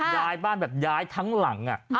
ย้ายบ้านแบบย้ายทั้งหลัง